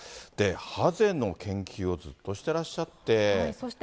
ハゼの研究をずっとしてらっしゃって。